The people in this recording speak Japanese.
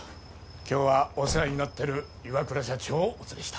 今日はお世話になってる岩倉社長をお連れした。